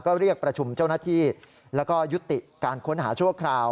ก็เรียกประชุมเจ้าหน้าที่แล้วก็ยุติการค้นหาชั่วคราว